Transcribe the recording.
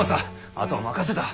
あとは任せた。